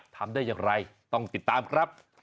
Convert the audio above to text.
ทำได้อย่างไรต้องติดตามครับ